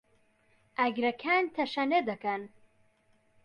ئاگرەکان تەشەنە دەکەن.